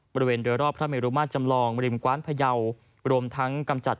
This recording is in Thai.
บริเวณเรือรอบพระมิรุมาตรจำลองมริมกว้านพยาวน์